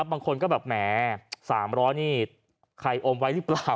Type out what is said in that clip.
บางคนก็แบบแหม๓๐๐นี่ใครอมไว้หรือเปล่า